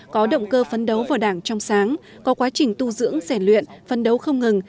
có động cơ phấn đấu vào đảng trong sáng có quá trình tu dưỡng rèn luyện phân đấu không ngừng